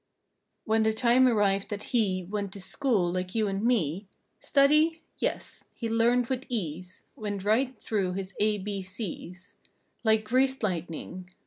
When the time arrived that he Went to school like you and me: Study? Yes. He learned with ease Went right through his A, B, C's Like greased lightning.